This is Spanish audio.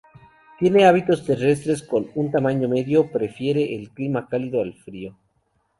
Tiene hábitos terrestres con un tamaño medio, prefiere el clima cálido al frío.